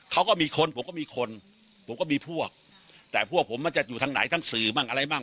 เขาก็มีคนผมก็มีคนผมก็มีพวกแต่พวกผมมันจะอยู่ทางไหนทั้งสื่อมั่งอะไรมั